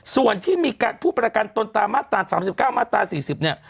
ส่วนที่มีผู้ประกันตนตามมาตรา๓๙มาตรา๔๐เนี่ย